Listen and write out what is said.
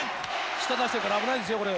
舌出してるから危ないんですよこれ。